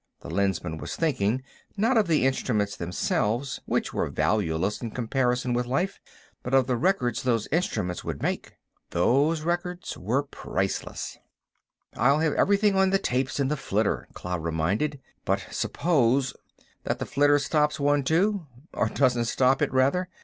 the Lensman was thinking, not of the instruments themselves, which were valueless in comparison with life, but of the records those instruments would make. Those records were priceless. "I'll have everything on the tapes in the flitter," Cloud reminded. "But suppose...." "That the flitter stops one, too—or doesn't stop it, rather?